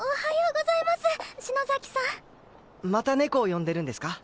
また猫を呼んでるんですか？